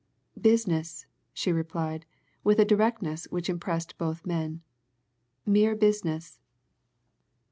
"Business!" she replied, with a directness which impressed both men. "Mere business.